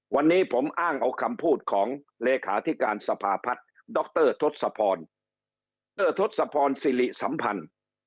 วันนี้ผมอ้างเอาคำพูดของเลขาธิการสภาพัฒน์ดรทศพรดรทศพรสิริสัมพันธ์